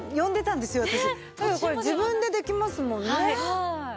だけどこれ自分でできますもんね。